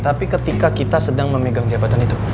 tapi ketika kita sedang memegang jabatan itu